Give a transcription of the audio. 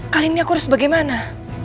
kali ini aku harus bagaimana